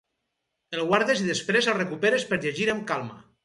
El guardes i després el recuperes per llegir amb calma.